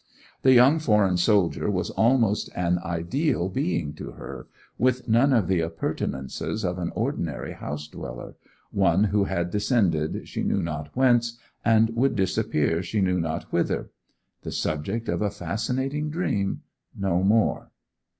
The young foreign soldier was almost an ideal being to her, with none of the appurtenances of an ordinary house dweller; one who had descended she knew not whence, and would disappear she knew not whither; the subject of a fascinating dream—no more.